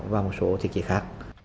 và một số thị trị khác